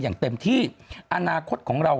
อย่างเต็มที่อนาคตของเรา